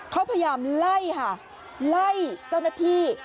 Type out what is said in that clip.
เขาพยายามไล่ค่ะไล่เจ้าหน้าที่